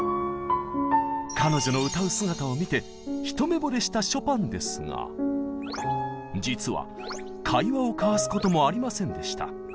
彼女の歌う姿を見て一目ぼれしたショパンですが実は会話を交わすこともありませんでした。